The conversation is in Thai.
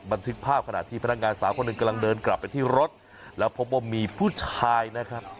บันทึกภาพขณะที่พนักงานสาวคนหนึ่งกำลังเดินกลับไปที่รถแล้วพบว่ามีผู้ชายนะครับ